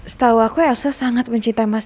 setahu aku elsa sangat mencinta mas dino